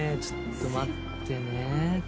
ちょっと待ってね。